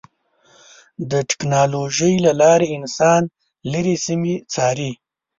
د ټکنالوجۍ له لارې انسانان لرې سیمې څاري.